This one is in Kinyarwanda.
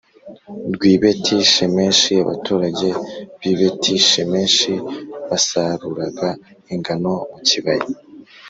Rw i beti shemeshi abaturage b i beti shemeshi basaruraga ingano mu kibaya